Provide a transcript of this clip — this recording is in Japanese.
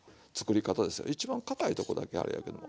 一番かたいとこだけあれやけども。